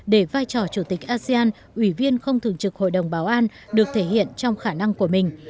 để vai trò chủ tịch asean ủy viên không thường trực hội đồng bảo an được thể hiện trong khả năng của mình